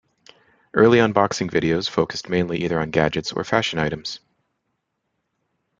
Early unboxing videos focused mainly either on gadgets or fashion items.